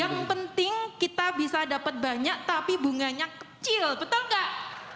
yang penting kita bisa dapat banyak tapi bunganya kecil betul nggak